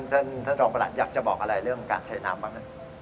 ท่านรองประหลัดอยากจะบอกอะไรเรื่องการใช้น้ำบ้าง